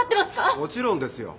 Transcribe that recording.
もちろんですよ。